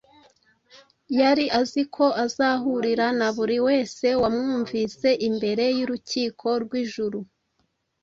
Yari azi ko azahurira na buri wese wamwumvise imbere y’urukiko rw’ijuru